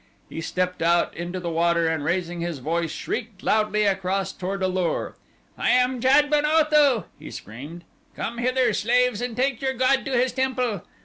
He stepped out into the water and raising his voice shrieked loudly across toward A lur. "I am Jad ben Otho!" he screamed. "Come hither slaves and take your god to his temple."